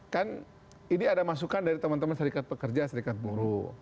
kan ini ada masukan dari teman teman serikat pekerja serikat buruh